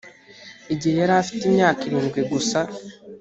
igihe yari afite imyaka irindwi gusa